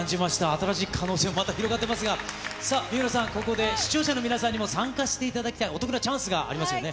新しい可能性も広がっていますが、さあ、水卜さん、ここで視聴者の皆さんにも参加していただきたい、お得なチャンスがありますよね。